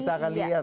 kita akan lihat